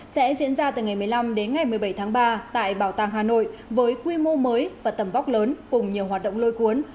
sẽ diễn ra từ ngày một mươi năm đến ngày một mươi bảy tháng ba tại bảo tàng hà nội với quy mô mới và tầm vóc lớn cùng nhiều hoạt động lôi cuốn